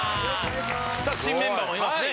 新メンバーもいますね。